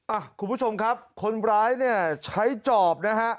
อ่ะคุณผู้ชมครับคนร้ายเนี่ยใช้จอบนะฮะ